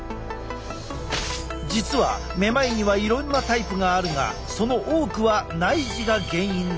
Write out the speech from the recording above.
実はめまいにはいろいろなタイプがあるがその多くは内耳が原因なのだ！